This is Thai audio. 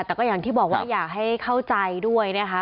แต่ก็อย่างที่บอกว่าอยากให้เข้าใจด้วยนะคะ